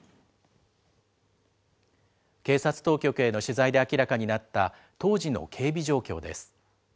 警察当局への取材で明らかになった、当時の警備状況です。